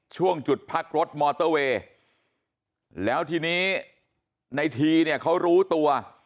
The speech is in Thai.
ช่วงจุดพักรถมอเตอร์เวย์แล้วทีนี้ในทีเนี่ยเขารู้ตัว